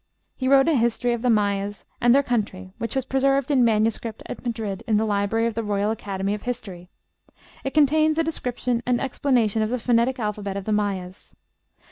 He wrote a history of the Mayas and their country, which was preserved in manuscript at Madrid in the library of the Royal Academy of History.... It contains a description and explanation of the phonetic alphabet of the Mayas.